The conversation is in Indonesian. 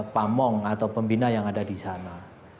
pamong atau pembina yang ada di sana